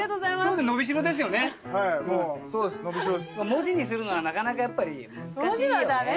文字にするのはなかなかやっぱり難しいよね。